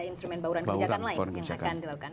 instrumen bauran kebijakan lain yang akan dilakukan